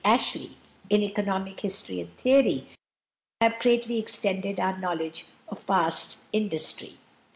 Ashley in "Economic History and Theory," have greatly extended our knowledge of past industry.